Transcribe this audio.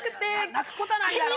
泣くことはないだろ？